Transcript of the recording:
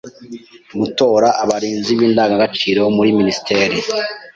Gutora abarinzi b’Indangagaciro muri Minisiteri;